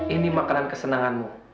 ini makanan kesenanganmu